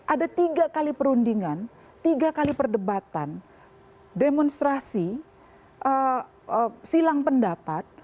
ada tiga kali perundingan tiga kali perdebatan demonstrasi silang pendapat